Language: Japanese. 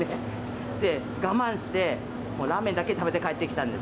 で、我慢して、もうラーメンだけ食べて帰ってきたんです。